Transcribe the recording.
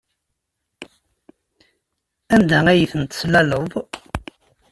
Anda ay ten-teslaleḍ?